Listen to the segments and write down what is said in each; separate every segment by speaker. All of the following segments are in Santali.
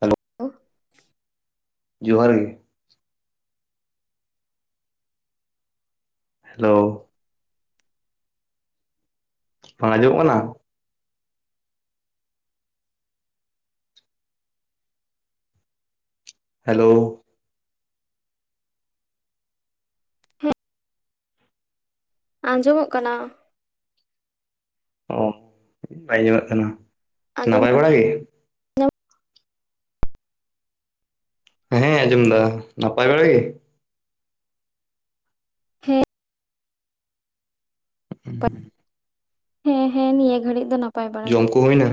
Speaker 1: ᱦᱮᱞᱳ
Speaker 2: [unintelligible]
Speaker 1: ᱡᱚᱦᱟᱨ ᱜᱮ ᱦᱮᱞᱳ ᱟᱸᱡᱚᱜ ᱠᱟᱱᱟ ᱦᱮᱞᱳ
Speaker 2: ᱦᱮᱸ ᱟᱸᱡᱚᱢᱚᱜ ᱠᱟᱱᱟ᱾
Speaker 1: ᱚ ᱵᱟᱭ ᱟᱸᱡᱚᱢᱮᱫ ᱠᱟᱱᱟ
Speaker 2: ᱟᱸᱡᱚᱢ
Speaker 1: ᱱᱟᱯᱟᱭ ᱵᱟᱲᱟ ᱜᱮ᱾ ᱦᱮᱸ ᱟᱡᱸᱡᱚᱢ ᱮᱫᱟ ᱱᱟᱯᱟᱭ ᱵᱟᱲᱟ ᱜᱮ᱾
Speaker 2: ᱦᱮᱸ [unintelligible] ᱦᱮᱸ ᱦᱮᱸ ᱱᱤᱭᱟᱹ ᱜᱷᱟᱹᱲᱤᱡ ᱫᱚ ᱱᱟ
Speaker 1: ᱡᱚᱢ ᱠᱩ ᱦᱩᱭᱱᱟ?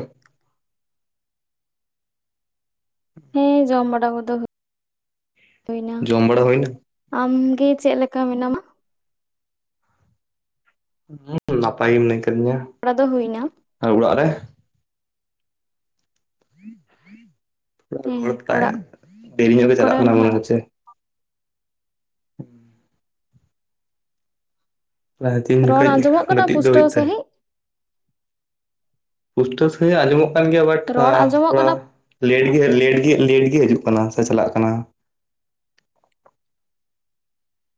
Speaker 2: ᱦᱮᱸ ᱡᱚᱢ ᱵᱟᱲᱟ ᱠᱚᱫᱚ ᱦᱩᱭ ᱮᱱᱟ᱾
Speaker 1: ᱡᱚᱢ ᱵᱟᱲᱟ ᱦᱩᱭᱱᱟ
Speaker 2: ᱟᱢ ᱜᱮ ᱪᱮᱫ ᱞᱮᱠᱟ ᱢᱮᱱᱟᱢᱟ?
Speaker 1: ᱦᱩᱸ [unintelligible] ᱱᱟᱯᱟᱭ ᱜᱮ ᱢᱮᱱᱟᱭᱟ᱾
Speaker 2: ᱵᱟᱲᱟ [unintelligible] ᱫᱚ ᱦᱩᱭᱱᱟ
Speaker 1: ᱟᱞᱮ ᱚᱲᱟᱜ ᱨᱮ
Speaker 2: ᱦᱮᱸ
Speaker 1: ᱨᱚᱲ ᱛᱟᱭ
Speaker 2: ᱚᱲᱟᱜ
Speaker 1: [unintelligible] ᱫᱮᱨᱤ ᱧᱚᱜ ᱜᱮ ᱪᱟᱞᱟᱜ
Speaker 2: ᱠᱚᱨᱮᱱ
Speaker 1: ᱠᱟᱱᱟ ᱢᱚᱱᱮ
Speaker 2: ᱦᱚᱸ
Speaker 1: ᱦᱚᱪᱪᱮ ᱚᱱᱟ ᱦᱚ ᱛᱤᱱ
Speaker 2: ᱨᱚᱲ
Speaker 1: ᱡᱚᱠᱷᱮᱡ,
Speaker 2: ᱟᱸᱡᱚᱢᱚᱜ ᱠᱟᱱᱟ
Speaker 1: ᱜᱟᱛᱮᱜ ᱫᱚ
Speaker 2: ᱯᱩᱥᱴᱟᱹᱣ
Speaker 1: ᱦᱩᱭᱩᱜ ᱛᱟᱭᱮᱱᱼᱼ
Speaker 2: ᱥᱟᱺᱦᱤᱡ
Speaker 1: ᱯᱩᱥᱴᱟᱹᱣ ᱥᱟᱺᱦᱤᱡ ᱟᱸᱡᱚᱢᱚᱜ ᱠᱟᱱ ᱜᱮᱭᱟ ᱵᱟᱴ
Speaker 2: ᱨᱚᱲ ᱟᱸᱡᱚᱢᱚᱜ
Speaker 1: ᱛᱷᱚᱲᱟᱼᱼ
Speaker 2: ᱠᱟᱱᱟ
Speaker 1: ᱞᱮᱴ ᱜᱮ ᱞᱮᱴ ᱜᱮ ᱞᱮᱴ ᱜᱮ ᱦᱤᱡᱩᱜ ᱠᱟᱱᱟ ᱥᱮ ᱪᱟᱞᱟᱜ ᱠᱟᱱᱟ᱾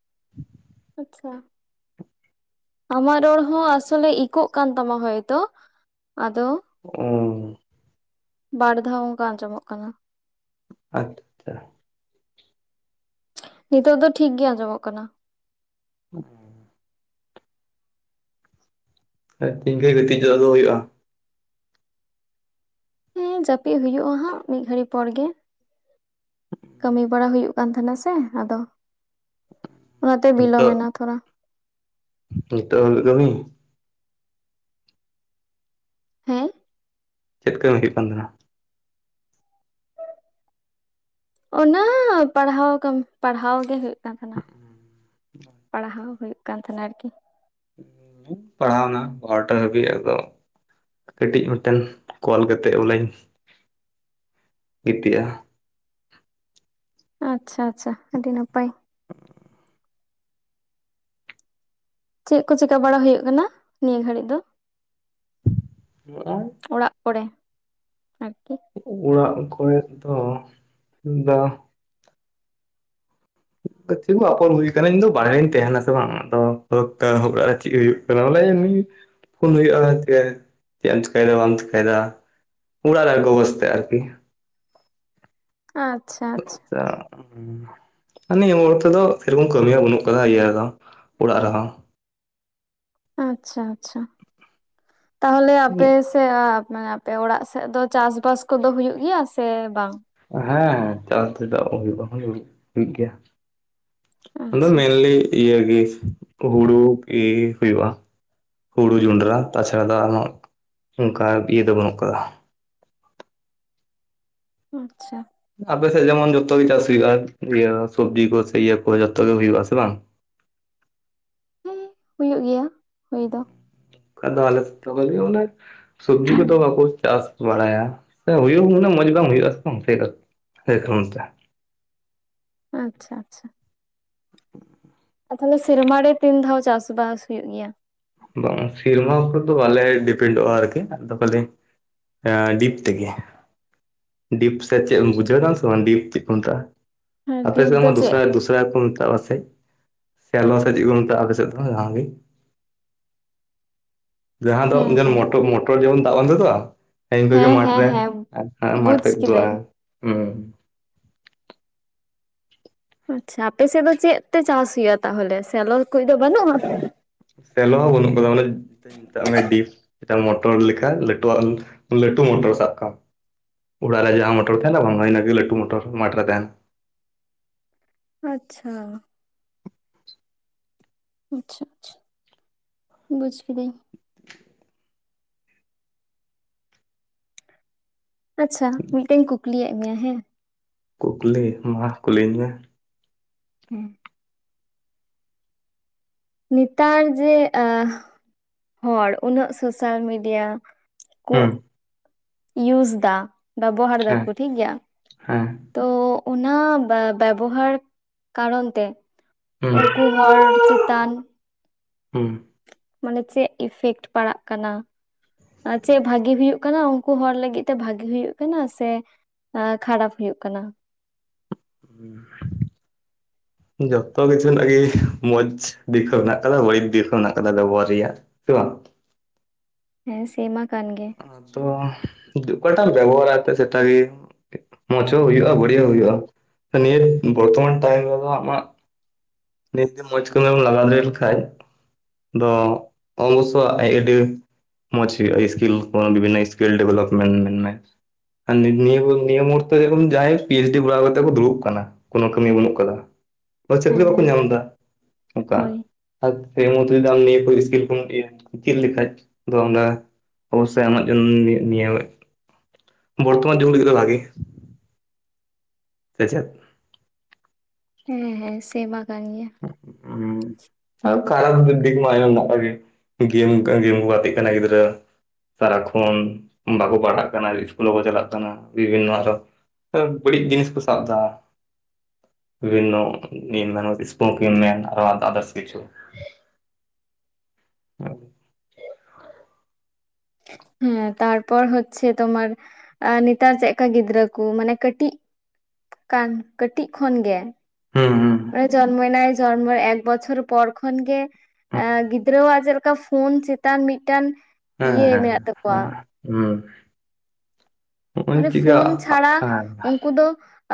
Speaker 1: [inaudible]
Speaker 2: ᱟᱪᱪᱷᱟ ᱟᱢᱟᱜ ᱨᱚᱲ ᱦᱚᱸ ᱟᱥᱚᱞᱮ ᱤᱠᱟᱹᱜ ᱠᱟᱱ ᱛᱟᱢᱟ ᱦᱚᱭᱛᱚ, ᱟᱫᱚᱼᱼ
Speaker 1: ᱚ [unintelligible]
Speaker 2: ᱵᱟᱨ ᱫᱷᱟᱣ ᱚᱱᱠᱟ ᱟᱸᱡᱚᱢᱚᱜ ᱠᱟᱱᱟ᱾
Speaker 1: ᱟᱴ
Speaker 2: ᱱᱤᱛᱚᱜ ᱫᱚ ᱴᱷᱤᱠᱜᱤ ᱟᱸᱡᱚᱢᱚᱜ ᱠᱟᱱᱟ᱾
Speaker 1: ᱦᱮᱸ [unintelligible] ᱟᱨ ᱤᱧ ᱠᱷᱚᱱ [unintelligible] ᱜᱟᱛᱮ ᱪᱚᱜ ᱫᱚ ᱦᱩᱭᱩᱜᱭᱼᱟ
Speaker 2: ᱦᱮᱸ ᱡᱟᱯᱤᱫ ᱦᱩᱭᱩᱜᱼᱟ ᱦᱟᱸᱜ ᱢᱤᱫ ᱜᱷᱟᱹᱲᱤᱡ ᱯᱚᱨ ᱜᱮ᱾ ᱠᱟᱹᱢᱤ ᱵᱟᱲᱟ ᱦᱩᱭᱩᱜ ᱠᱟᱱ ᱛᱟᱦᱮᱱᱟ ᱥᱮ ᱟᱫᱚ, ᱚᱱᱟᱛᱮ ᱵᱤᱞᱚᱢ
Speaker 1: ᱱᱤᱛᱚᱜ
Speaker 2: ᱮᱱᱟ ᱛᱷᱚᱲᱟ᱾
Speaker 1: ᱱᱤᱛᱚᱜ ᱫᱷᱟᱹᱵᱤᱡ ᱠᱟᱹᱢᱤ?
Speaker 2: ᱦᱮᱸ
Speaker 1: ᱪᱮᱫ ᱠᱟᱹᱢᱤ ᱦᱩᱭᱩᱜ ᱠᱟᱱ ᱛᱟᱦᱮᱱᱟ᱾
Speaker 2: ᱚᱱᱟ ᱯᱟᱲᱦᱟᱣ ᱠᱟ, ᱢ ᱯᱟᱲᱦᱟᱣ ᱜᱮ ᱦᱩᱭᱩᱜ ᱠᱟᱱ ᱛᱟᱦᱮᱱᱟ ᱯᱟᱲᱦᱟᱣ ᱦᱩᱭᱩᱜᱼᱼ ᱠᱟᱱ ᱛᱟᱦᱮᱱᱟ ᱠᱤ᱾
Speaker 1: ᱯᱟᱲᱦᱟᱣᱱᱟ ᱵᱟᱨᱴᱟ ᱦᱟᱹᱵᱤᱡ ᱟᱫᱚ ᱠᱟᱹᱴᱤᱡ ᱢᱤᱫᱴᱮᱱ ᱠᱚᱞ ᱠᱟᱛᱮᱫ ᱵᱚᱞᱮᱧ, ᱜᱤᱛᱤᱜᱼᱟ ᱾
Speaker 2: ᱟᱪᱪᱷᱟ ᱟᱪᱪᱷᱟ ᱟᱹᱰᱤ ᱱᱟᱯᱟᱭ ᱾ ᱪᱮᱜ ᱠᱚ ᱪᱤᱠᱟᱹ ᱵᱟᱲᱟ ᱦᱩᱭᱩᱜ ᱠᱟᱱᱟ ᱱᱤᱭᱟᱹ ᱜᱷᱟᱹᱲᱤᱡ ᱫᱚ?
Speaker 1: ᱦᱚᱸᱜᱼᱚᱭ ᱾
Speaker 2: ᱚᱲᱟᱜ ᱠᱚᱨᱮ ᱟᱨᱠᱤ ᱾
Speaker 1: ᱚᱲᱟᱜ ᱠᱚᱨᱮ ᱫᱚ ᱫᱟ ᱪᱟ ᱟᱯᱚᱨ ᱦᱩᱭ ᱠᱟᱱᱟ ᱤᱧ ᱫᱚ ᱵᱟᱝᱤᱧ ᱛᱟᱦᱮᱱᱟᱥᱮ ᱵᱟᱝ [unintelligible] ᱪᱮᱜ ᱦᱩᱭᱩᱜ ᱾ ᱚᱞᱟᱞᱮ ᱮᱢᱱᱤ ᱯᱷᱳᱱ ᱦᱩᱭᱩᱜᱼᱟ ᱪᱮᱜ ᱮᱢ ᱪᱮᱠᱟᱭ ᱫᱟ ᱵᱟᱢ ᱪᱮᱠᱟᱭ ᱫᱟ ᱾ ᱚᱲᱟᱜ ᱨᱮᱠᱚ ᱵᱚᱥᱛᱮ ᱟᱨᱠᱤ,
Speaker 2: ᱟᱪᱪᱷᱟ ᱟᱪᱪᱷᱟ ᱾
Speaker 1: [unintelligible] ᱱᱤᱭᱟᱹ ᱢᱩᱦᱩᱨ ᱛᱮᱫᱚ ᱥᱮᱨᱚᱠᱚᱢ ᱠᱟᱹᱢᱤ ᱦᱚᱸ ᱵᱟᱹᱱᱩᱜ ᱟᱠᱟᱫᱟ ᱤᱭᱟᱹ ᱨᱮᱫᱚ ᱚᱲᱟᱜ ᱨᱮᱦᱚᱸ ᱾
Speaker 2: ᱟᱪᱪᱷᱟ ᱟᱪᱪᱷᱟ ᱛᱟᱦᱚᱞᱮ ᱟᱯᱮᱥᱮ ᱥᱮ ᱦᱟ ᱢᱟᱱᱮ ᱟᱯᱮ ᱚᱲᱟᱜ ᱥᱮᱫ ᱫᱚ ᱪᱟᱥ ᱵᱟᱥ ᱠᱚᱫᱚ ᱦᱩᱭᱩᱜ ᱜᱮᱭᱟ ᱥᱮ ᱵᱟᱝ?
Speaker 1: ᱦᱮᱸ ᱪᱟᱞ ᱪᱮᱫᱟᱜ ᱦᱩᱭᱩᱜ ᱦᱩᱭᱩᱜᱼᱜᱮᱭᱟ ᱾ ᱟᱫᱚ
Speaker 2: ᱟᱪᱪᱷᱟ
Speaker 1: ᱢᱮᱱᱞᱤ ᱤᱭᱟᱹ ᱜᱮ ᱦᱩᱲᱩ ᱤᱨ ᱦᱩᱭᱩᱜᱼᱟ ᱾ ᱦᱩᱲᱩ, ᱡᱚᱱᱰᱨᱟ ᱛᱟᱪᱷᱟᱲᱟ ᱫᱚ ᱟᱨᱦᱚᱸ ᱚᱱᱠᱟ ᱤᱭᱟᱹ ᱫᱚ ᱵᱟᱹᱱᱩᱜ ᱟᱠᱟᱫᱟ ᱾
Speaker 2: ᱟᱪᱪᱷᱟ ᱾
Speaker 1: ᱟᱯᱮᱥᱮᱜ ᱡᱮᱢᱚᱱ ᱡᱚᱛᱚ ᱜᱮ ᱪᱟᱥ ᱦᱩᱭᱩᱜᱼᱟ ᱤᱭᱟᱹ ᱥᱚᱵᱽᱡᱤ ᱠᱚ ᱥᱮ ᱤᱭᱟᱹ ᱠᱚ ᱡᱚᱛᱚ ᱜᱮ ᱦᱩᱭᱩᱜᱼᱟ‌ ᱦᱮᱸ ᱥᱮ ᱵᱟᱝ ᱾
Speaker 2: ᱦᱩᱸ ᱦᱩᱭᱩᱜ ᱜᱮᱭᱟ ᱦᱩᱭ ᱫᱚ ᱾
Speaker 1: ᱟᱫᱚ ᱟᱞᱮ ᱥᱮᱫᱫᱚ ᱵᱦᱟᱜᱤᱜᱮ ᱚᱱᱟ ᱥᱚᱵᱡᱤ ᱠᱚᱫᱚ ᱵᱟᱠᱚ ᱪᱟᱥ ᱵᱟᱲᱟᱭᱟ ᱥᱮ ᱦᱩᱭᱩᱜ ᱩᱱᱟᱹᱜ ᱢᱚᱡᱽ ᱵᱟᱝ ᱦᱩᱭᱩᱜᱼᱟ ᱵᱟᱝ ᱥᱮ [unintelligible]
Speaker 2: ᱟᱪᱪᱷᱟ ᱟᱪᱪᱷᱟ ᱾ ᱛᱟᱦᱚᱞᱮ ᱥᱮᱨᱢᱟᱟᱨ ᱨᱮ ᱛᱤᱱ ᱫᱷᱟᱣ ᱪᱟᱥ ᱵᱟᱥ ᱦᱩᱭᱩᱜ ᱜᱮᱭᱟ?
Speaker 1: ᱵᱟᱝ ᱥᱮᱨᱢᱟᱩᱯᱚᱨ ᱫᱚ ᱵᱟᱞᱮ ᱰᱤᱯᱷᱮᱱᱰᱚᱜᱼᱟ ᱟᱨᱠᱤ ᱟᱫᱚ ᱯᱮ ᱟᱸ ᱰᱤᱯ ᱛᱮᱜᱮ ᱰᱤᱯ ᱥᱮ ᱪᱮᱫ ᱮᱢ ᱵᱩᱡᱷᱟᱹᱣ ᱫᱟᱢ ᱥᱮ ᱵᱟᱝ ᱰᱤᱯ ᱪᱮᱫ ᱠᱚᱢ ᱢᱮᱛᱟᱜᱼᱟ? ᱟᱯᱮ
Speaker 2: ᱰᱤᱯ
Speaker 1: ᱥᱮᱛ ᱟᱢ
Speaker 2: ᱫᱚ
Speaker 1: ᱫᱩᱥᱨᱟ
Speaker 2: ᱪᱮᱫ
Speaker 1: ᱫᱩᱥᱨᱟ ᱨᱚᱠᱚᱢ ᱠᱚ ᱢᱮᱛᱟᱜ ᱵᱟᱝ ᱥᱮ ᱠᱮᱞᱮᱣᱟ ᱥᱮ ᱪᱮᱜ ᱠᱚ ᱢᱮᱛᱟᱜᱼᱟ ᱟᱯᱮ ᱥᱮᱫ ᱫᱚ ᱡᱟᱦᱟᱸ ᱜᱮ ᱡᱟᱦᱟᱸ ᱫᱚ
Speaker 2: ᱦᱮᱸ ᱦᱮᱸ
Speaker 1: ᱡᱚ ᱢᱚᱴᱚᱨ ᱡᱮᱢᱚᱱ ᱫᱟᱜ ᱵᱟᱝ ᱛᱩᱫᱩᱜᱼᱟ ᱾ ᱤᱱᱠᱟ ᱜᱮ
Speaker 2: ᱦᱮᱸ ᱦᱮᱸ
Speaker 1: ᱢᱟᱴᱷᱨᱮ
Speaker 2: ᱦᱮᱸ
Speaker 1: ᱢᱟᱴᱷ ᱯᱮ
Speaker 2: ᱵᱩᱡᱽ
Speaker 1: ᱩᱫᱩᱜᱼᱟ
Speaker 2: ᱠᱤᱫᱟᱹᱧ
Speaker 1: ᱦᱮᱸ
Speaker 2: ᱟᱪᱪᱷᱟ ᱟᱯᱮ ᱥᱮᱫ ᱫᱚ ᱪᱮᱫ ᱛᱮ ᱪᱟᱥ ᱦᱩᱭᱩᱜᱼᱟ, ᱛᱟᱦᱚᱞᱮ ᱥᱮᱞᱚ ᱠᱚᱫᱚ ᱵᱟᱹᱱᱩᱜᱼᱟ?
Speaker 1: ᱥᱮᱞᱚ ᱦᱚᱸ ᱵᱚᱱᱩᱜ ᱠᱟᱫᱟ ᱢᱟᱱᱮ ᱢᱮᱛᱟᱜ ᱢᱮ ᱰᱤᱯ ᱢᱤᱫᱴᱟᱝ ᱢᱚᱴᱚᱨ ᱞᱮᱠᱟ ᱞᱟᱹᱴᱩᱣᱟᱜ ᱞᱟᱹᱴᱩ ᱢᱚᱴᱚᱨ ᱥᱟᱵ ᱠᱟᱜ ᱢᱮ ᱩᱲᱟᱜ ᱨᱮ ᱡᱟᱦᱟᱸ ᱢᱚᱴᱟᱨ ᱛᱟᱦᱮ ᱱᱟ ᱵᱟᱝ ᱤᱱᱟᱜᱮ ᱞᱟᱹᱴᱩ ᱢᱚᱴᱚᱨ ᱢᱟᱴᱨᱮ ᱛᱟᱦᱮᱱᱟ᱾
Speaker 2: ᱟᱪᱪᱷᱟ ᱾ ᱟᱪᱪᱷᱟ ᱟᱪᱪᱷᱟ ᱵᱩᱡᱽ ᱠᱤᱫᱟᱹᱧ ᱾
Speaker 1: [inaudible]
Speaker 2: ᱟᱪᱪᱷᱟ ᱢᱤᱫᱴᱟᱝ ᱤᱧ ᱠᱩᱠᱞᱤᱭᱮᱫ ᱢᱮᱭᱟ ᱦᱮᱸ,
Speaker 1: ᱠᱩᱠᱞᱤ ᱢᱟ ᱠᱩᱞᱤᱧ ᱢᱮ ᱾
Speaker 2: ᱦᱮᱸ᱾ ᱱᱮᱛᱟᱨ ᱡᱮ ᱦᱚᱲ ᱩᱱᱟᱹᱜ ᱥᱳᱥᱟᱞ ᱢᱤᱰᱤᱭᱟ, ᱠᱩ
Speaker 1: ᱦᱩᱸ
Speaker 2: ᱤᱭᱩᱥ ᱫᱟ ᱵᱮᱵᱚᱦᱟᱨ
Speaker 1: ᱦᱮᱸ
Speaker 2: ᱫᱟᱠᱚ ᱴᱷᱤᱠᱜᱮᱭᱟ,
Speaker 1: ᱦᱮᱸ ᱾
Speaker 2: ᱛᱚ ᱚᱱᱟ ᱵᱮᱵᱚᱦᱟᱨ ᱠᱟᱨᱚᱱ ᱛᱮ
Speaker 1: ᱦᱩᱸ
Speaker 2: ᱩᱱᱠᱩ ᱦᱚᱲ ᱪᱮᱛᱟᱱ
Speaker 1: ᱦᱩᱸ
Speaker 2: ᱢᱟᱱᱮ ᱪᱮᱫ ᱤᱯᱷᱮᱠᱴ ᱯᱟᱲᱟᱜ ᱠᱟᱱᱟ? ᱮ ᱪᱮᱫ ᱵᱷᱟᱜᱮ ᱦᱩᱭᱩᱜ ᱠᱟᱱᱟ ᱩᱱᱠᱩ ᱦᱚᱲ ᱞᱟᱹᱜᱤᱫ ᱛᱮ ᱵᱷᱟᱜᱮ ᱦᱩᱭᱩᱜ ᱠᱟᱱᱟ ᱥᱮ ᱟ ᱠᱷᱟᱨᱟᱯ ᱦᱩᱭᱩᱜᱜ ᱠᱟᱱᱟ?
Speaker 1: [unintelligible] ᱡᱚᱛᱚ ᱠᱤᱪᱷᱩ ᱨᱮᱱᱟᱜ ᱜᱮ ᱢᱚᱸᱡᱽ ᱫᱤᱠ ᱦᱚᱸ ᱢᱮᱱᱟᱜ ᱠᱟᱫᱟ ᱵᱟᱹᱲᱤᱡ ᱫᱤᱠ ᱦᱚᱸ ᱢᱮᱱᱟᱜ ᱠᱟᱫᱟ ᱵᱮᱵᱚᱦᱟᱨ ᱨᱮᱭᱟᱜ ᱥᱮ ᱵᱟᱝ?
Speaker 2: ᱦᱮᱸ ᱥᱮᱢᱟ ᱠᱟᱱ ᱜᱮ᱾
Speaker 1: ᱦᱟᱸ ᱛᱚ ᱚᱠᱚᱭᱴᱟᱜ ᱵᱮᱵᱚᱦᱟᱨᱛᱮ ᱥᱮᱴᱟ ᱞᱤᱭᱮ ᱢᱚᱸᱡ ᱦᱚᱸ ᱦᱩᱭᱩᱜᱼᱟ ᱵᱟᱹᱲᱤᱡᱟᱹ ᱦᱩᱭᱩᱜᱼᱟ, ᱱᱤᱭᱟᱹ ᱵᱚᱨᱛᱚᱢᱟᱱ ᱴᱟᱭᱤᱢ ᱨᱮᱫᱚ ᱟᱢᱟᱜ ᱱᱤᱛ ᱢᱚᱸᱡᱽ ᱠᱚᱢᱤᱢ ᱞᱟᱜᱟᱣ ᱞᱟᱜᱟᱣ ᱞᱮᱱᱠᱷᱟᱱᱡ ᱫᱚ ᱚᱵᱚᱥᱚᱣᱟᱜ [unintelligible] ᱟᱹᱰᱤ ᱢᱚᱸᱡᱽ ᱦᱩᱭᱩᱜ ᱥᱠᱤᱞ ᱵᱤᱵᱷᱤᱱᱱᱚ ᱥᱠᱤᱞ ᱰᱮᱵᱷᱞᱚᱯᱢᱮᱱᱴ ᱢᱮᱱᱢ ᱢᱮ ᱟᱨ ᱱᱤᱭᱟᱹ ᱱᱤᱭᱟᱹ ᱢᱩᱦᱩᱨᱛᱚ ᱡᱟᱦᱟᱸᱭ ᱯᱤᱮᱭᱪᱰᱤ ᱠᱚᱨᱟᱣ ᱠᱟᱛᱮ ᱠᱚ ᱫᱩᱲᱩᱵ ᱠᱟᱱᱟ ᱠᱳᱱᱳ ᱠᱟᱹᱢᱤ ᱵᱟᱹᱱᱩᱜ ᱠᱟᱫᱟ ᱪᱫ
Speaker 2: ᱦᱮᱸ
Speaker 1: ᱜᱮ ᱵᱟᱠᱚ
Speaker 2: ᱦᱮᱸ
Speaker 1: ᱧᱟᱢ ᱫᱟ ᱚᱱᱠᱟ
Speaker 2: ᱦᱳᱭ
Speaker 1: [unintelligible] ᱪᱮᱫ ᱞᱮᱠᱟ ᱫᱚ ᱚᱱᱟ [unintelligible] ᱵᱚᱨᱛᱚᱢᱟᱱ ᱡᱩᱜ ᱞᱟᱹᱜᱤᱫ ᱵᱷᱟᱜᱤ ᱥᱮᱪᱮᱫᱽ
Speaker 2: ᱦᱮᱸ ᱦᱮᱸ ᱥᱮᱵᱟ ᱠᱟᱱ ᱜᱮᱭᱟ᱾
Speaker 1: ᱦᱩᱸᱜ ᱩᱸ᱾ ᱳᱭ ᱠᱟᱨᱚᱱ [unintelligible] ᱜᱮᱢ ᱠᱚ ᱜᱟᱛᱮᱜ ᱠᱟᱱᱟ ᱜᱤᱫᱽᱨᱟᱹ ᱥᱟᱨᱟᱠᱷᱚᱱ ᱵᱟᱠᱚ ᱯᱟᱲᱦᱟᱜ ᱠᱟᱱᱟ, ᱤᱥᱠᱩᱞ ᱵᱟᱠᱚ ᱪᱟᱞᱟᱜ ᱠᱟᱱᱟ, ᱵᱤᱵᱷᱤᱱᱱᱚ ᱟᱨᱦᱚ ᱵᱟᱹᱲᱤᱡ ᱡᱤᱱᱤᱥ ᱠᱚ ᱥᱟᱵᱽ ᱫᱟ ᱵᱤᱵᱷᱤᱱᱱᱚ [unintelligible] [unintelligible] ᱟᱨᱚ ᱟᱫᱟᱨᱥ ᱠᱤᱪᱷᱩ ᱦᱮᱸ [unintelligible]
Speaker 2: ᱦᱮᱸ ᱛᱟᱨᱯᱚᱨ ᱦᱳᱪᱷᱮ ᱛᱳᱢᱟᱨ ᱟ ᱱᱮᱛᱟᱨ ᱪᱮᱫᱠᱟ ᱜᱤᱫᱽᱨᱟᱹ ᱠᱚ ᱢᱟᱱᱮ ᱠᱟᱹᱴᱤᱡᱽ ᱠᱟᱱ ᱠᱟᱹᱴᱤᱡᱽ ᱠᱷᱚᱱᱜᱮ
Speaker 1: ᱦᱩᱸ ᱦᱩᱸ
Speaker 2: ᱡᱚᱱᱢᱚᱭᱱᱟᱭ ᱡᱚᱱᱢᱚ ᱮᱠ ᱵᱚᱪᱷᱚᱨ ᱯᱚᱨ ᱠᱷᱚᱱ ᱜᱮ
Speaker 1: ᱦᱩᱸ
Speaker 2: ᱮᱸ ᱜᱤᱫᱽᱨᱟᱹᱣᱟᱜ ᱪᱮᱫ ᱞᱮᱠᱟ ᱯᱷᱳᱱ ᱪᱮᱛᱟᱱ ᱢᱤᱫᱴᱟᱱ
Speaker 1: ᱦᱮᱸ
Speaker 2: ᱤᱭᱟᱹ ᱢᱮᱱᱟᱜ
Speaker 1: ᱦᱮᱸ
Speaker 2: ᱛᱟᱠᱚᱣᱟ
Speaker 1: ᱦᱮᱸ ᱦᱩᱸ ᱱᱚᱜᱼᱚᱭ
Speaker 2: ᱢᱟᱱᱮ
Speaker 1: ᱪᱤᱠᱟ
Speaker 2: ᱯᱷᱳᱱ ᱪᱷᱟᱲᱟ
Speaker 1: ᱦᱮᱸ
Speaker 2: ᱩᱱᱠᱩ ᱫᱚ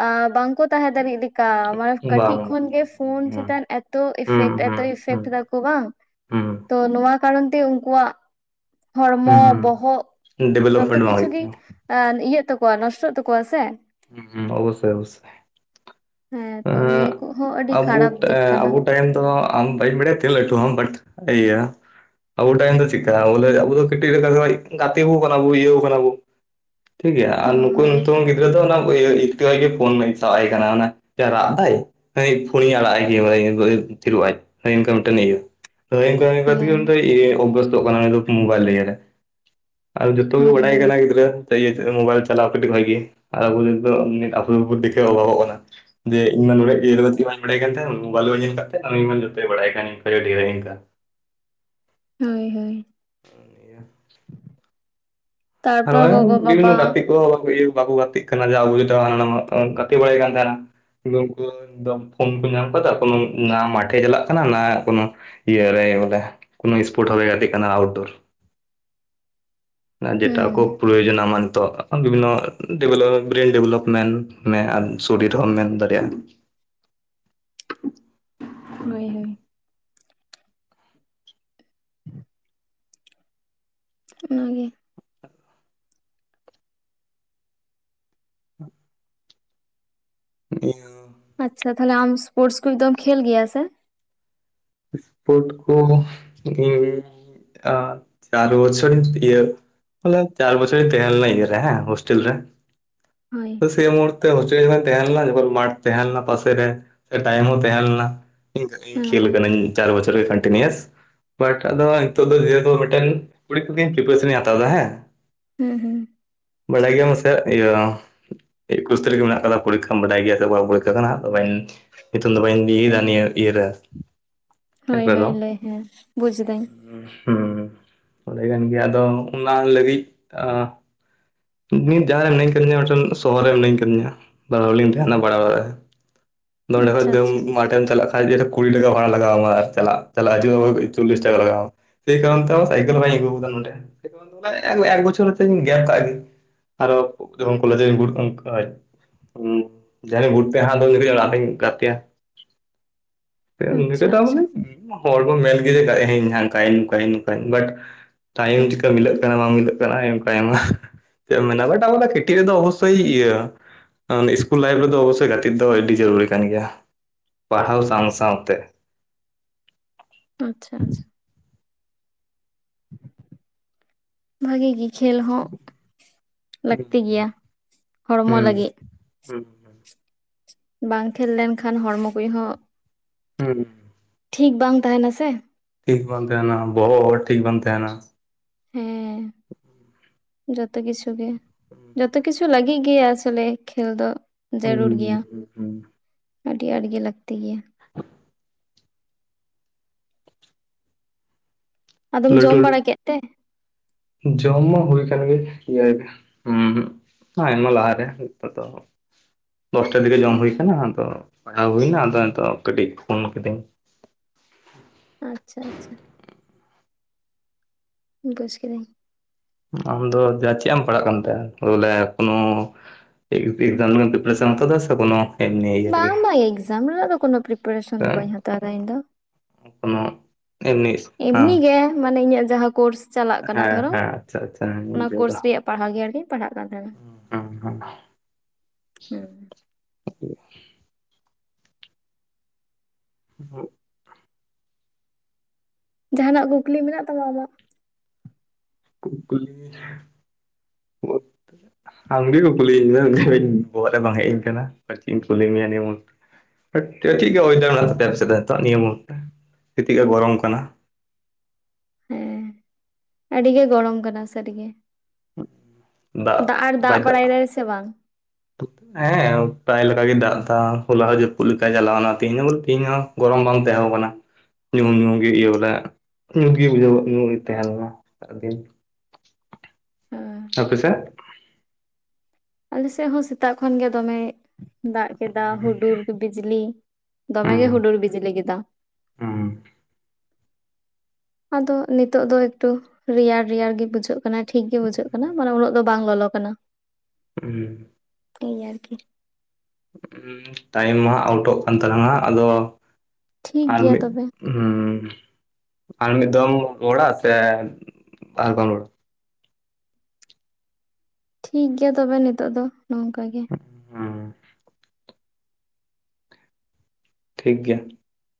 Speaker 2: ᱟ ᱵᱟᱝᱠᱚ ᱛᱟᱦᱮᱸ ᱫᱟᱲᱮᱭᱟᱜ ᱞᱮᱠᱟ ᱢᱟᱱᱮ
Speaker 1: ᱵᱟᱝ
Speaker 2: ᱠᱟᱹᱴᱤᱡ
Speaker 1: ᱵᱟᱝ
Speaker 2: ᱠᱷᱚᱱᱜᱮ ᱯᱷᱳᱱ
Speaker 1: ᱦᱩᱸ
Speaker 2: ᱪᱮᱛᱟᱱ ᱮᱛᱚ ᱤᱯᱷᱮᱴ ᱮᱛᱚ
Speaker 1: ᱦᱩᱸ ᱦᱩᱸ
Speaker 2: ᱤᱯᱷᱮᱠᱴ ᱫᱟᱠᱚ ᱵᱟᱝ
Speaker 1: ᱦᱩᱸ
Speaker 2: ᱛᱚ ᱱᱚᱣᱟ ᱠᱟᱨᱚᱱ ᱛᱮ ᱩᱱᱠᱩᱣᱟᱜ ᱦᱚᱲᱢᱚ
Speaker 1: ᱦᱩᱸ
Speaker 2: ᱵᱚᱦᱚᱜ
Speaker 1: ᱦᱩᱸ
Speaker 2: ᱡᱚᱛᱚ
Speaker 1: ᱰᱮᱵᱷᱞᱚᱯᱢᱮᱱᱴ ᱵᱟᱝ
Speaker 2: ᱠᱤᱪᱷᱩ
Speaker 1: ᱦᱩᱭᱩᱜ
Speaker 2: ᱜᱮ
Speaker 1: ᱠᱟᱱᱟ
Speaker 2: ᱟ ᱤᱭᱟᱹᱜ ᱛᱟᱠᱚᱣᱟ ᱱᱸᱚᱥᱴᱚ ᱛᱟᱠᱚᱣᱟ ᱥᱮ᱾
Speaker 1: ᱦᱩᱸ ᱚᱵᱚᱥᱥᱳᱭ ᱚᱵᱚᱥᱥᱳᱭ᱾
Speaker 2: ᱦᱮᱸ ᱛᱚ
Speaker 1: ᱩᱸᱜ
Speaker 2: ᱱᱤᱭᱟᱹ ᱠᱚᱦᱚᱸ ᱟᱹᱰᱤ
Speaker 1: ᱟᱵᱚ
Speaker 2: ᱠᱷᱟᱨᱟᱯ
Speaker 1: ᱴᱟ
Speaker 2: ᱫᱤᱠ ᱠᱟᱱᱟ
Speaker 1: ᱟᱵᱚ ᱴᱟᱭᱤᱢ ᱛᱮᱫᱚ ᱟᱢ [unintelligible] ᱟᱵᱚ ᱴᱟᱭᱤᱢ ᱫᱚ ᱪᱮᱠᱟ ᱵᱚᱞᱮ ᱟᱵᱚ ᱫᱚ ᱠᱟᱹᱴᱤᱡ ᱨᱮ ᱜᱟᱛᱮ ᱟᱠᱟᱱᱟᱵᱚᱱ ᱤᱭᱟᱹᱭ ᱟᱠᱟᱱᱟᱵᱚᱱ ᱴᱷᱤᱠᱜᱮᱭᱟ ᱟᱨ
Speaker 2: ᱦᱚᱸ
Speaker 1: ᱱᱩᱠᱩᱝ
Speaker 2: ᱦᱚᱸ
Speaker 1: ᱱᱤᱛᱚᱝ ᱜᱮ ᱜᱤᱫᱽᱨᱟᱹ ᱫᱚ [unintelligible] ᱜᱮ ᱯᱷᱳᱱ ᱥᱟᱵ ᱟᱭ ᱠᱟᱱᱟ ᱟᱱᱟ ᱨᱟᱜ ᱫᱟᱭ ᱦᱭ ᱯᱷᱳᱱ ᱟᱲᱟᱜ ᱟᱭ ᱜᱮ ᱛᱤᱨᱚᱜ ᱟᱭ ᱤᱱᱠᱟ ᱢᱤᱫᱴᱮᱱ ᱤᱭᱟᱹ᱾ ᱦᱚᱭ ᱚᱱᱠᱟ ᱦᱚᱭ ᱚᱱᱠᱟᱛᱮᱜᱮ ᱩᱱᱤ
Speaker 2: ᱦᱮᱸ
Speaker 1: ᱫᱚᱭ ᱤᱭᱹ ᱚᱵᱚᱥᱛᱚᱜ ᱠᱟᱱᱟ ᱩᱱᱤ ᱫᱚ ᱢᱳᱵᱟᱭᱤᱞ ᱨᱮ ᱤᱭᱸ ᱨᱮ ᱟᱨ ᱡᱚᱛᱚ ᱜᱮ
Speaker 2: ᱦᱳᱭ
Speaker 1: ᱵᱟᱲᱟᱭ
Speaker 2: ᱦᱳᱭ
Speaker 1: ᱠᱟᱱᱟ ᱜᱤᱫᱽᱨᱟᱹ ᱢᱳᱵᱟᱭᱤᱞ ᱪᱟᱞᱟᱣ ᱠᱟᱛᱮ ᱵᱷᱟᱹᱜᱤ ᱟᱨ ᱟᱵᱚ ᱱᱤᱛᱚᱜ ᱟᱵᱚᱜᱮᱵᱚᱱ ᱫᱮᱠᱷᱟᱣ ᱟᱠᱚ ᱠᱟᱱᱟ᱾ ᱡᱮ ᱤᱧ ᱢᱟ ᱱᱚᱰᱮᱤᱧ ᱵᱟᱲᱟᱭ ᱠᱟᱱ ᱛᱟᱦᱮᱸ ᱢᱳᱵᱟᱧᱮᱞ ᱠᱟᱜ ᱛᱟᱦᱮᱸ ᱢᱟ ᱡᱚᱛᱮᱜ ᱵᱟᱲᱟᱭ ᱠᱟᱱᱷᱮ ᱤᱱᱠᱟ
Speaker 2: ᱦᱳᱭ ᱦᱳᱭ᱾
Speaker 1: ᱟᱨ
Speaker 2: ᱛᱟᱨᱯᱚᱨ
Speaker 1: ᱵᱟᱝ
Speaker 2: ᱜᱚᱜᱚ
Speaker 1: ᱵᱤᱵᱷᱤᱱᱱᱚ
Speaker 2: ᱵᱟᱵᱟ
Speaker 1: ᱜᱟᱛᱮ ᱠᱚ ᱤᱭᱟᱹ ᱵᱟᱵᱩ ᱜᱟᱛᱮᱜ [unintelligible] ᱜᱟᱛᱮ ᱵᱟᱲᱟᱭ ᱠᱟᱱ ᱛᱟᱦᱮᱱᱟ᱾ [unintelligible] ᱯᱷᱳᱱ ᱠᱚ ᱧᱟᱢ ᱟᱠᱟᱫᱟ ᱠᱚᱱᱳ ᱱᱟ ᱢᱟᱴᱷᱮ ᱪᱟᱞᱟᱜ ᱠᱟᱱᱟ ᱱᱟ ᱠᱳᱱᱳ, ᱤᱭᱟᱹ ᱨᱮ ᱵᱚᱞᱮ ᱠᱳᱱᱳ ᱥᱯᱳᱨᱴ ᱥᱮᱱᱚᱜ ᱮ ᱜᱟᱛᱮ ᱠᱟᱱᱟ ᱟᱣᱴᱰᱳᱨ᱾ ᱟᱸ ᱡᱮᱴᱟ,
Speaker 2: ᱦᱩᱸ
Speaker 1: ᱠᱷᱩᱵ ᱯᱨᱭᱳᱡᱚᱱᱟ ᱟᱢᱟᱜ ᱱᱤᱛᱚᱜ ᱵᱤᱵᱷᱤᱱᱱᱚ [unintelligible] ᱰᱮᱵᱷᱞᱚᱯᱢᱮᱱᱴ ᱢᱮ ᱟᱨ, ᱥᱚᱨᱤᱨ ᱦᱚᱸᱢ ᱢᱮᱱ ᱫᱟᱲᱮᱭᱟᱜᱼᱟ᱾
Speaker 2: ᱦᱳᱭ ᱦᱳᱭ, ᱚᱱᱟᱜᱮ,
Speaker 1: ᱱᱤᱦᱟᱹᱛ,
Speaker 2: ᱟᱪᱪᱷᱟ ᱛᱟᱦᱚᱞᱮ ᱟᱢ ᱥᱯᱳᱨᱴᱥ ᱠᱚ ᱫᱚᱢ ᱠᱷᱮᱞ ᱜᱮᱭᱟ ᱥᱮ?
Speaker 1: ᱥᱯᱳᱴ ᱠᱚ ᱤᱧ ᱟᱹ ᱪᱟᱨ ᱵᱚᱪᱷᱚᱨ ᱤᱭᱟᱹ, ᱵᱚᱞᱮ ᱪᱟᱨ ᱵᱪᱚᱨᱤᱧ ᱛᱟᱦᱮ ᱞᱤᱱᱟᱸᱧ ᱤᱭᱟᱹ ᱨᱮ ᱦᱮᱸ ᱦᱥᱴᱮᱞ ᱨᱮ᱾
Speaker 2: ᱦᱳᱭ,
Speaker 1: ᱛᱚ ᱥᱮ ᱢᱩᱦᱩᱨᱛᱮ [unintelligible] ᱛᱟᱦᱮᱸ ᱞᱮᱱᱟ ᱡᱚᱠᱷᱚᱱ ᱢᱟᱴᱷ ᱛᱟᱦᱮᱸ ᱞᱮᱱᱟ ᱯᱟᱥᱮ ᱨᱮ ᱥᱮ ᱴᱟᱭᱤᱢ ᱦᱚᱸ ᱛᱟᱦᱮᱸ ᱞᱮᱱᱟ᱾ ᱤᱧ
Speaker 2: ᱦᱮᱸ
Speaker 1: ᱠᱷᱮᱞ
Speaker 2: ᱦᱮᱸ
Speaker 1: ᱠᱟᱱᱟᱹᱧ ᱪᱟᱨ ᱵᱚᱪᱷᱚᱨᱚᱜᱮ ᱠᱚᱱᱴᱤᱱᱤᱭᱩᱟᱤ᱾ ᱵᱟᱴ ᱟᱫᱚ ᱱᱤᱛᱚᱜ ᱫᱚ ᱡᱮᱦᱮᱛᱩ ᱢᱮᱫᱴᱮᱱ [unintelligible] ᱯᱤᱯᱟᱨᱮᱥᱚᱱ ᱤᱧ ᱦᱟᱛᱟᱣ ᱮᱫᱟ ᱦᱮᱸ,
Speaker 2: ᱦᱩᱸ ᱦᱩᱸ,
Speaker 1: ᱵᱟᱰᱟᱭ ᱜᱮᱭᱟᱢ ᱥᱮ ᱤᱭᱟᱹ, ᱮᱠᱩᱥ ᱛᱟᱨᱤᱠ ᱨᱮ ᱢᱮᱱᱟᱜ ᱠᱟᱫᱟ ᱯᱚᱨᱤᱠᱠᱷᱟᱢ ᱵᱟᱰᱟᱭ ᱜᱮᱭᱟ ᱥᱮ ᱵᱟᱝ ᱯᱚᱨᱤᱠᱠᱷᱟ ᱠᱟᱱᱟ ᱛᱚᱵᱮᱱ ᱧᱩᱛᱩᱢ ᱫᱚ ᱵᱟᱹᱧ ᱤᱭᱟᱹᱭ ᱫᱟ ᱱᱤᱭᱟᱹ ᱤᱭᱟᱹᱨᱮ ᱟᱨᱠᱤ,
Speaker 2: ᱦᱳᱭ ᱦᱳᱭ ᱞᱟᱹᱭ ᱦᱮᱸ ᱵᱩᱡᱽᱫᱟᱹᱧ᱾
Speaker 1: ᱦᱩᱸ ᱚᱸᱱᱰᱮ ᱠᱟᱱ ᱜᱮᱭᱟ ᱟᱫᱚ ᱚᱱᱟ ᱞᱟᱹᱜᱤᱫ ᱟ ᱱᱤᱛ ᱡᱟᱸᱦᱟᱨᱮ ᱢᱤᱱᱟᱹᱧ ᱠᱟᱫᱤᱧᱟ [unintelligible] ᱥᱚᱦᱚᱨ ᱨᱮ ᱢᱤᱱᱟᱹᱧ ᱠᱟᱫᱤᱧᱟ ᱵᱟᱨ ᱦᱟᱲ ᱞᱤᱧ ᱛᱟᱦᱮᱱᱟ ᱵᱷᱟᱲᱟ ᱚᱲᱟᱜ ᱨᱮ᱾ ᱫᱚ ᱚᱸᱰᱮ ᱠᱷᱚᱡ
Speaker 2: ᱟᱪᱪᱷᱟ
Speaker 1: ᱫᱚᱢ
Speaker 2: ᱟᱪᱪᱷᱟ
Speaker 1: ᱢᱟᱴᱷᱮᱢ ᱪᱟᱞᱟᱜ ᱠᱟ [inaudible] ᱠᱩᱲᱤ ᱴᱟᱠᱟ ᱵᱷᱟᱲᱟ ᱞᱟᱜᱣᱟᱢᱟ ᱟᱨ ᱪᱟᱞᱟᱜ ᱪᱟᱞᱟᱜ ᱦᱤᱡᱩᱜ ᱪᱚᱞᱞᱤᱥ ᱴᱟᱠᱟ ᱞᱟᱜᱣᱟᱢᱟ᱾ ᱥᱮᱭ ᱠᱚᱨᱚᱱ ᱛᱮ ᱦᱚᱸ ᱥᱟᱭᱠᱮᱞ ᱵᱟᱹᱧ ᱟᱜᱩ ᱠᱟᱫᱟ ᱱᱚᱰᱮ [unintelligible] ᱥᱮᱭ ᱠᱟᱨᱚᱱ ᱮᱠ ᱵᱚᱪᱷᱚᱨ ᱦᱳᱭᱛᱳᱧ ᱜᱮᱞ ᱠᱟᱜ ᱜᱮ᱾ ᱟᱨᱦᱚ [unintelligible] ᱠᱚᱞᱮᱡᱽ [unintelligible] ᱦᱩᱸ, ᱡᱟᱭᱦᱳᱠ ᱵᱩᱴ [unintelligible] ᱜᱟᱛᱮ
Speaker 2: ᱟᱪᱪᱷᱟ
Speaker 1: ᱟ᱾ [unintelligible] ᱢᱟᱱᱮ
Speaker 2: ᱟᱪᱪᱷᱟ
Speaker 1: ᱦᱚᱲ ᱵᱚᱱ [unintelligible] ᱵᱟᱴ, ᱴᱟᱭᱤᱢ ᱪᱤᱠᱟ ᱢᱤᱞᱟᱹᱜ ᱠᱟᱱᱟ ᱵᱟᱝ ᱢᱤᱞᱟᱹᱜ ᱠᱟᱱᱟ ᱟᱡᱭᱮ ᱚᱱᱠᱟᱭᱟᱢᱟ᱾ [unintelligible] ᱠᱤᱴᱤ ᱨᱮᱫᱚ ᱚᱵᱚᱥᱥᱳᱭ ᱤᱭᱟᱹ, ᱤᱥᱠᱩᱞ ᱞᱟᱭᱤᱯᱷ ᱨᱮᱫᱚ ᱚᱵᱚᱥᱥᱳᱭ ᱜᱟᱛᱮᱜ ᱫᱚ ᱟᱹᱰᱤ ᱡᱚᱨᱩᱨᱤ ᱠᱟᱱ ᱜᱮᱭᱟ ᱯᱟᱲᱦᱟᱣ ᱥᱟᱸᱶ ᱥᱟᱸᱶᱛᱮ᱾
Speaker 2: ᱟᱪᱪᱷᱟ ᱟᱪᱪᱷᱟ, ᱵᱷᱟᱜᱤ ᱜᱮ ᱠᱷᱮᱞ ᱦᱚᱸ, ᱞᱟᱹᱠᱛᱤ ᱜᱮᱭᱟ ᱦᱚᱲᱢᱚ ᱞᱟᱹᱜᱤᱫ᱾
Speaker 1: ᱦᱩᱸ ᱦᱩᱸ᱾
Speaker 2: ᱵᱟᱝ ᱠᱷᱮᱞ ᱞᱮᱱᱠᱷᱟᱱ ᱦᱚᱲᱢᱚ ᱠᱚᱭ ᱦᱚᱸ,
Speaker 1: ᱦᱩᱸ ᱦᱩᱸ,
Speaker 2: ᱴᱷᱤᱠ ᱵᱟᱝ ᱛᱟᱦᱮᱱᱟ ᱥᱮ᱾
Speaker 1: ᱴᱷᱤᱠ ᱵᱟᱝ ᱛᱟᱦᱮᱱᱟ ᱵᱚᱦᱚᱜ ᱦᱚᱸ ᱴᱷᱤᱠ ᱵᱟᱝ ᱛᱟᱦᱮᱱᱟ᱾
Speaker 2: ᱦᱮᱸ, ᱡᱚᱛᱚ ᱠᱤᱪᱷᱩ ᱜᱮ ᱡᱚᱛᱚ ᱠᱤᱪᱷᱩ ᱞᱟᱹᱜᱤᱫ ᱜᱮ ᱟᱥᱚᱞᱮ ᱠᱷᱮᱞ ᱫᱚ᱾ ᱡᱟᱹᱨᱩᱲ ᱜᱮᱭᱟ, ᱟᱹᱰᱤ ᱟᱸᱴ ᱜᱮ ᱞᱟᱹᱠᱛᱤ ᱜᱮᱭᱟ᱾ ᱟᱫᱚᱢ
Speaker 1: ᱞᱟᱹᱴᱩ
Speaker 2: ᱡᱚᱢ
Speaker 1: ᱞᱟᱹᱴᱩ
Speaker 2: ᱵᱟᱲᱟ ᱠᱮᱫ ᱛᱮ᱾
Speaker 1: ᱡᱚᱢ ᱢᱟ ᱦᱩᱭ ᱠᱟᱱ ᱜᱮ ᱤᱭᱟᱹ ᱦᱩᱸ, ᱟᱭᱢᱟ ᱞᱟᱦᱟᱨᱮ ᱱᱤᱛᱚᱜ ᱫᱚ, ᱫᱚᱥᱴᱟ ᱫᱤᱜᱮ ᱡᱚᱢ ᱦᱩᱭ ᱠᱟᱱᱟ ᱟᱫᱚ ᱯᱟᱲᱦᱟᱣ ᱦᱩᱭ ᱱᱟ ᱟᱫᱚ ᱱᱤᱛᱳᱜ ᱠᱟᱹᱴᱤᱡ ᱯᱷᱳᱱ ᱠᱤᱫᱟᱹᱧ᱾
Speaker 2: ᱟᱪᱪᱷᱟ ᱟᱪᱪᱷᱟ, ᱵᱩᱡᱽ ᱠᱤᱫᱟᱹᱧ᱾
Speaker 1: ᱟᱢᱫᱚ ᱡᱟ ᱪᱮᱫ ᱮᱢ ᱯᱟᱲᱦᱟᱜ ᱠᱟᱱᱛᱮ ᱵᱚᱞᱮ ᱠᱳᱱᱳ, ᱮᱠᱡᱟᱢ ᱨᱮᱱᱟ ᱯᱨᱤᱯᱟᱨᱮᱥᱚᱱ ᱮᱢ ᱦᱟᱛᱟᱣ ᱫᱟ ᱥᱮ ᱠᱳᱱᱳ, ᱮᱢᱱᱤ ᱤᱭᱟᱹ ᱨᱮᱜᱮ
Speaker 2: ᱵᱟᱝ ᱵᱟᱝ ᱮᱠᱡᱟᱢ ᱨᱮᱱᱟᱜ ᱫᱚ ᱠᱳᱱᱳ ᱯᱨᱤᱯᱟᱨᱮᱥᱚᱱ ᱫᱚ ᱵᱟᱹᱧ ᱦᱟᱛᱟᱣ ᱫᱟ ᱤᱧᱫᱚ
Speaker 1: ᱠᱳᱱᱳ ᱮᱢᱱᱤ ᱦᱮᱸ
Speaker 2: ᱮᱢᱱᱤ ᱜᱮ ᱢᱟᱱᱮ ᱤᱧᱟᱜ ᱡᱟᱦᱟᱸ ᱠᱳᱨᱥ ᱪᱟᱞᱟᱜ ᱠᱟᱱᱟ
Speaker 1: ᱦᱮᱸ
Speaker 2: ᱫᱷᱚᱨᱚ
Speaker 1: ᱦᱮᱸ ᱟᱪᱪᱷᱟ ᱟᱪᱪᱷᱟ
Speaker 2: ᱚᱱᱟ
Speaker 1: ᱵᱩᱡᱷᱟᱹᱣᱫᱟ
Speaker 2: ᱠᱳᱨᱥ ᱨᱮᱭᱟᱜ ᱯᱟᱲᱦᱟᱣ ᱜᱮ ᱟᱨᱠᱤᱧ ᱯᱟᱲᱦᱟᱜ ᱠᱟᱱ ᱛᱟᱦᱮᱱᱟ
Speaker 1: ᱚ ᱦᱚ
Speaker 2: ᱦᱮᱸ
Speaker 1: [inaudible]
Speaker 2: ᱡᱟᱸᱦᱟᱱᱟᱜ ᱠᱩᱠᱞᱤ ᱢᱮᱱᱟᱜ ᱛᱟᱢᱟ ᱟᱢᱟᱜ
Speaker 1: ᱠᱩᱠᱞᱤ ᱵᱚᱞᱛᱮ ᱟᱢᱜᱮ ᱠᱩᱞᱤᱭᱤᱧ ᱢᱮ ᱵᱚᱦᱚᱜ ᱨᱮ ᱵᱟᱝ ᱦᱮᱡ ᱤᱧ ᱠᱟᱱᱟ ᱟᱨ ᱪᱮᱫ ᱤᱧ ᱠᱩᱞᱤ ᱢᱮᱭᱟ ᱱᱤᱭᱟᱹ ᱢᱩᱦᱩᱨᱛᱮ ᱦᱟ. ᱴ ᱮ ᱪᱮᱫᱠᱟ ᱳᱭᱮᱫᱟᱨ ᱢᱮᱱᱟᱜ ᱛᱟᱯᱮᱭᱟ ᱟᱯᱮ ᱥᱮᱫ ᱫᱚ ᱱᱤᱛᱚᱜ ᱱᱤᱭᱟ. ᱢᱩᱦᱩᱨᱛᱮ [unintelligible] ᱜᱚᱨᱚᱢ ᱠᱟᱱᱟ
Speaker 2: ᱦᱮᱸ ᱟᱹᱰᱤ ᱜᱮ ᱜᱚᱨᱚᱢ ᱠᱟᱱᱟ ᱥᱟᱹᱨᱤᱜᱮ ᱫᱟᱜ ᱟᱨ ᱫᱟᱜ ᱵᱟᱲᱟᱭ ᱫᱟᱭ ᱥᱮ ᱵᱟᱝ?
Speaker 1: ᱦᱮᱸ ᱯᱨᱟᱭ ᱞᱮᱠᱟᱜᱮ ᱫᱟᱜ ᱫᱟ ᱦᱚᱞᱟ ᱦᱚᱸ ᱡᱟᱹᱯᱩᱫ ᱞᱮᱠᱟ ᱪᱟᱞᱟᱣᱱᱟ ᱛᱮᱦᱮᱧ ᱦᱚᱸ ᱵᱚᱞᱮ ᱛᱤᱦᱤᱧ ᱦᱚᱸ ᱜᱚᱨᱚᱢ ᱵᱟᱝ ᱛᱟᱦᱮᱸᱣ ᱠᱟᱱᱟ ᱧᱩᱦᱩᱢ ᱧᱩᱦᱩᱢ ᱜᱮ ᱤᱭᱟᱹᱣ ᱞᱮᱫ ᱧᱩᱛ ᱜᱮ ᱵᱩᱡᱷᱟᱹᱣ [unintelligible] ᱛᱟᱦᱮᱸ ᱞᱮᱱᱟ ᱥᱟᱨᱟᱫᱤᱱ
Speaker 2: ᱦᱮᱸ
Speaker 1: ᱟᱯᱮᱥᱮᱫ
Speaker 2: ᱟᱞᱮ ᱥᱮᱫ ᱦᱚᱸ ᱥᱮᱛᱟᱜ ᱠᱷᱚᱱ ᱜᱮ ᱫᱚᱢᱮᱭ ᱫᱟᱜ ᱠᱮᱫᱟ ᱦᱩᱰᱩᱨ ᱵᱤᱡᱽᱞᱤ ᱫᱚᱢᱮ ᱜᱮ ᱦᱩᱰᱩᱨ ᱵᱤᱡᱽᱞᱤ ᱠᱮᱫᱟ
Speaker 1: ᱚ
Speaker 2: ᱟᱫᱚ ᱱᱤᱛᱚᱜ ᱫᱚ ᱮᱠᱴᱩ ᱨᱮᱭᱟᱲ ᱨᱮᱭᱟᱲ ᱜᱮ ᱵᱩᱡᱷᱟᱹᱜ ᱠᱟᱱᱟ ᱴᱷᱤᱠ ᱜᱮ ᱵᱩᱡᱷᱟᱹᱜ ᱠᱟᱱᱟ ᱢᱟᱱᱮ ᱩᱱᱟᱹᱜ ᱫᱚ ᱵᱟᱝ ᱞᱚᱞᱚ ᱠᱟᱱᱟ
Speaker 1: ᱦᱩ
Speaker 2: ᱴᱷᱤᱠ ᱜᱮᱭ ᱟᱨᱠᱤ
Speaker 1: ᱩ ᱴᱟᱭᱤᱢ ᱢᱟ ᱟᱣᱩᱴᱚᱜ ᱠᱟᱱ ᱛᱟᱞᱟᱝ ᱟ ᱟᱫᱚ
Speaker 2: ᱴᱷᱤᱠ
Speaker 1: ᱟᱨ
Speaker 2: ᱜᱮᱭᱟ
Speaker 1: ᱢᱤᱫ
Speaker 2: ᱛᱚᱵᱮ
Speaker 1: ᱦᱩᱸ ᱟᱨ ᱢᱤᱫ ᱫᱚᱢ ᱨᱚᱲᱟ ᱥᱮ ᱟᱨ ᱵᱟᱢ ᱨᱚᱲᱟ
Speaker 2: ᱴᱷᱤᱠ ᱜᱮᱭᱟ ᱛᱚᱵᱮ ᱱᱤᱛᱚᱜ ᱫᱚ ᱱᱚᱝᱠᱟ ᱜᱮ
Speaker 1: ᱦᱮᱸ ᱴᱷᱤᱠ ᱜᱮᱭᱟ